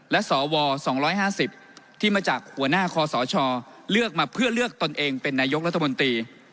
และสว๒๕๐ที่มาจากหัวหน้าคอสชเลือกมาเพื่อเลือกตนเองเป็นนายกรัฐมนตรี